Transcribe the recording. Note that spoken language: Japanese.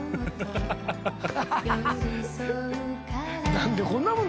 何でこんなもん